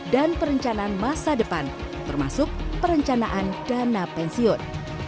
dan perencanaan masa depan termasuk perencanaan dana pensiun